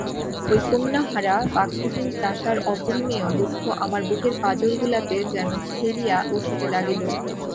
ঐ কন্যাহারা বাক্যহীন চাষার অপরিমেয় দুঃখ আমার বুকের পাঁজরগুলাতে যেন ঠেলিয়া উঠিতে লাগিল।